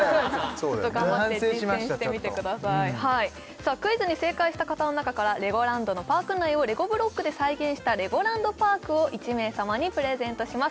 ちょっと頑張って実践してみてくださいさあクイズに正解した方の中からレゴランドのパーク内をレゴブロックで再現したレゴランドパークを１名様にプレゼントします